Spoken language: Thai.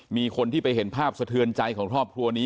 มีคนที่ไปเห็นภาพสะเทือนใจของครอบครัวนี้